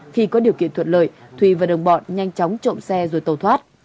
khi có điều kiện thuật lợi thủy và đồng bọn nhanh chóng trộm xe rồi tàu thoát